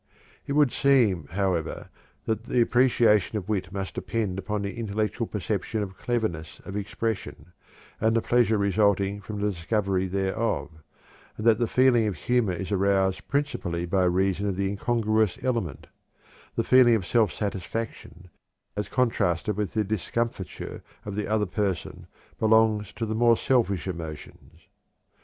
It would seem, however, that the appreciation of wit must depend upon the intellectual perception of cleverness of expression and the pleasure resulting from the discovery thereof, and that the feeling of humor is aroused principally by reason of the incongruous element; the feeling of self satisfaction as contrasted with the discomfiture of the other person belongs to the more selfish emotions.